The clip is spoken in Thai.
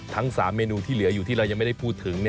ทั้ง๓เมนูที่เหลืออยู่ที่เรายังไม่ได้พูดถึง